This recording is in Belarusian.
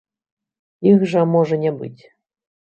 Іх жа можа не быць.